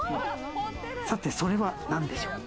さてそれは何でしょう？